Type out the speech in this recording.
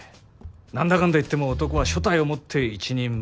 何だかんだいっても男は所帯を持って一人前。